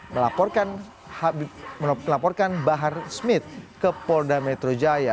melaporkan bahar smith ke polda metro jaya